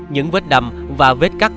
những vết đâm và vết cắt